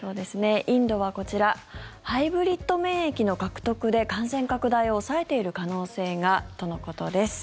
インドはこちらハイブリッド免疫の獲得で感染拡大を抑えている可能性がとのことです。